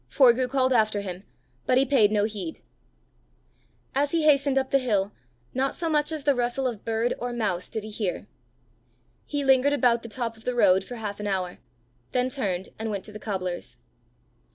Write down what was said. Forgue called after him, but he paid no heed. As he hastened up the hill, not so much as the rustle of bird or mouse did he hear. He lingered about the top of the road for half an hour, then turned and went to the cobbler's.